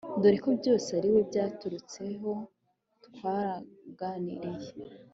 doreko byose ariwe byaturutseho twaraganiriye